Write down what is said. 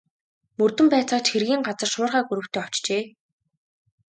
Мөрдөн байцаагч хэргийн газар шуурхай групптэй очжээ.